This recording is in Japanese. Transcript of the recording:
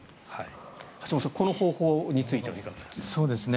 橋本さん、この方法についてはいかがですか？